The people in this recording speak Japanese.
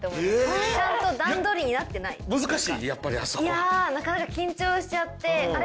いやあなかなか緊張しちゃってあれ？